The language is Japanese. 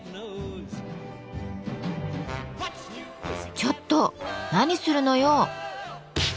ちょっと何するのよ！